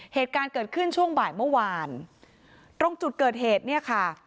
เหตุการณ์เกิดขึ้นช่วงบ่ายเมื่อวานตรงจุดเกิดเหตุเนี่ยค่ะ